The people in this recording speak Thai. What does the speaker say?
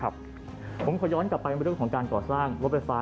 ผมขอย้อนกลับไปเรื่องของการก่อสร้างรถไฟฟ้า